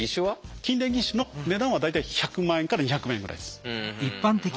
筋電義手の値段は大体１００万円から２００万円ぐらいです。